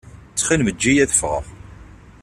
Ttxil-m eǧǧ-iyi ad ffɣeɣ.